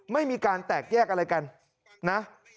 ไม่มีการแตกแยกอะไรกันนะ